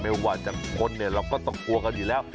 ไม่ว่าจะคนเนี่ยเราก็ต้องกลัวกันอยู่แล้ว